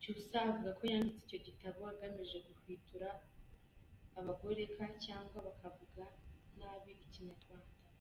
Cyusa avuga ko yanditse icyo gitabo agamije guhwitura abagoreka cyangwa bakavuga nabi Ikinyarwanda.